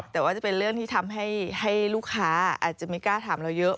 แต่ว่าจะเป็นเรื่องที่ทำให้ลูกค้าอาจจะไม่กล้าถามเราเยอะ